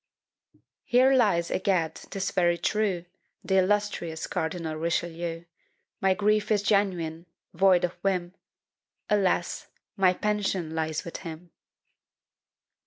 Here lies, egad, 'tis very true, The illustrious Cardinal Richelieu: My grief is genuine void of whim! Alas! my pension lies with him!